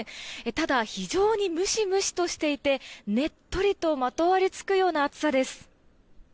ただ、非常にムシムシとしていてねっとりとまとわりつくような暑さです。